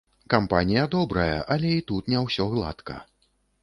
Кампанія добрая, але і тут не ўсё гладка.